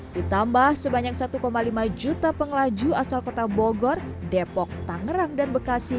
ditambah sebanyak satu lima juta pengelaju asal kota bogor depok tangerang dan bekasi